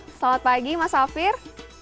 selamat pagi mas safir